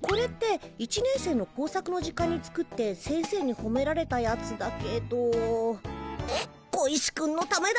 これって１年生の工作の時間に作って先生にほめられたやつだけど小石君のためだよね。